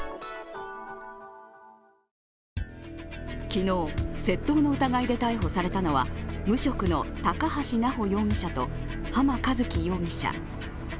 昨日、窃盗の疑いで逮捕されたのは、無職の高橋直穂容疑者と浜一輝容疑者。